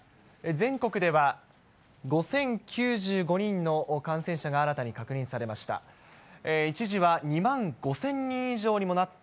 全国では５０９５人の感染者が新たに確認されました。